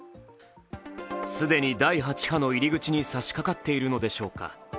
既に第８波の入り口にさしかかっているのでしょうか。